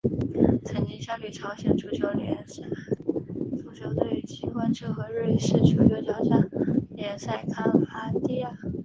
曾经效力朝鲜足球联赛足球队机关车和瑞士足球挑战联赛康戈迪亚。